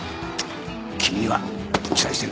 君には期待してる。